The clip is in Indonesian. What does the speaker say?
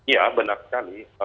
ya benar sekali